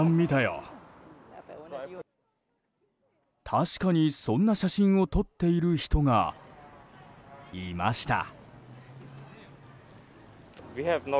確かにそんな写真を撮っている人が、いました。